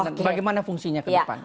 ini ke depan bagaimana fungsinya ke depan